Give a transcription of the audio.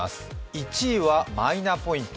１位はマイナポイント。